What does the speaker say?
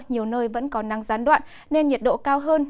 nhiều nơi vẫn có nắng gián đoạn nên nhiệt độ cao hơn